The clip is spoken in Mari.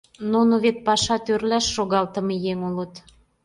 Нуно вет паша тӧрлаш шогалтыме еҥ улыт.